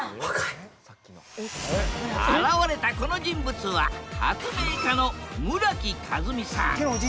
現れたこの人物は発明家の村木風海さん。